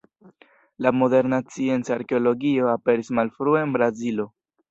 La moderna scienca arkeologio aperis malfrue en Brazilo.